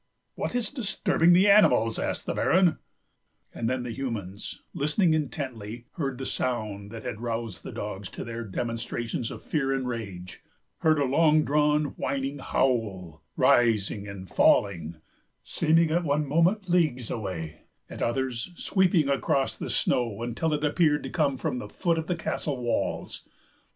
"What is disturbing the animals?" asked the Baron. And then the humans, listening intently, heard the sound that had roused the dogs to their demonstrations of fear and rage; heard a long drawn whining howl, rising and falling, seeming at one moment leagues away, at others sweeping across the snow until it appeared to come from the foot of the castle walls.